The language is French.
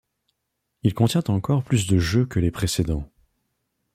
Il contient encore plus de jeux que les précédents.